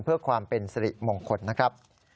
เพื่อความเป็นสริมงคลนะครับ